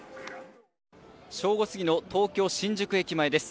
正午過ぎの東京・新宿駅前です。